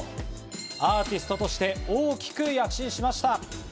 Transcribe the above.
アーティストとして大きく躍進しました。